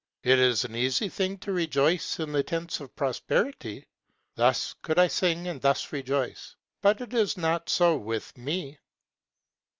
It is an easy thing to rejoice in the tents of prosperity: Thus could I sing and thus rejoice: but it is not so with me.'